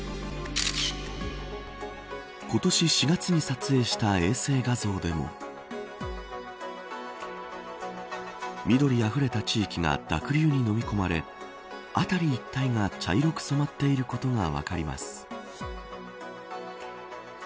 今年４月に撮影した衛星画像でも緑あふれた地域が濁流にのみ込まれ辺り一帯が茶色く染まっていることが分かります。